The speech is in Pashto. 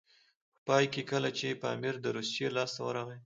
په پای کې کله چې پامیر د روسیې لاسته ورغی.